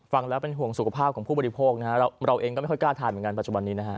ฟังแล้วเป็นห่วงสุขภาพของผู้บริโภคนะฮะเราเองก็ไม่ค่อยกล้าทานเหมือนกันปัจจุบันนี้นะฮะ